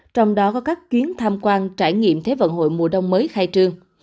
trong đó có các chuyến tham quan trải nghiệm thế vận hội mùa đông mới khai trương